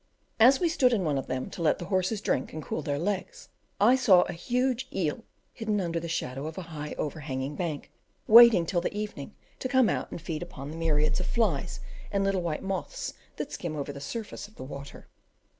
As we stood in one of them to let the horses drink and cool their legs, I saw a huge eel hidden under the shadow of a high overhanging bank, waiting till the evening to come out and feed upon the myriads of flies and little white moths that skim over the surface of the water.